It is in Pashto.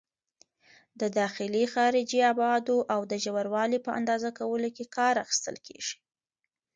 د داخلي، خارجي ابعادو او د ژوروالي په اندازه کولو کې کار اخیستل کېږي.